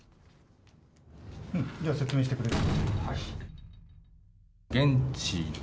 じゃあ説明してくれる？